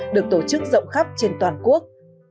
được tổ chức rộng khắp trên toàn quốc